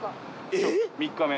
３日目。